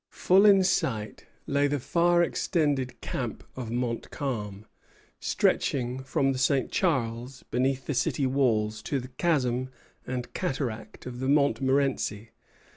Full in sight lay the far extended camp of Montcalm, stretching from the St. Charles, beneath the city walls, to the chasm and cataract of the Montmorenci.